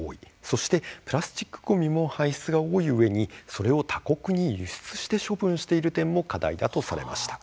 そしてプラスチックごみも排出が多いうえに、それを他国に輸出して処分している点も課題だとされました。